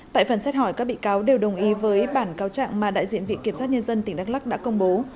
tại phần xét hỏi các bị cáo đều đồng ý với bản cáo trạng mà đại diện vị kiểm sát nhân dân tỉnh đắk lắc đã công bố